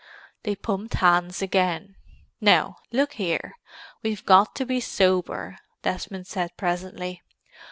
They pumped hands again. "Now, look here—we've got to be sober," Desmond said presently.